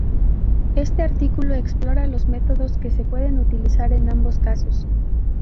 Este artículo explora los métodos que se pueden utilizar en ambos casos